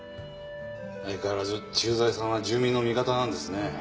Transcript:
相変わらず駐在さんは住民の味方なんですね。